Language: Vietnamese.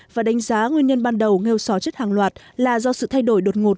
và đánh giá nguyên nhân ban đầu nghêu só chất hàng loạt là do sự thay đổi đột ngột